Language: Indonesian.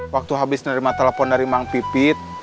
waktu habis nerima telepon dari mang pipit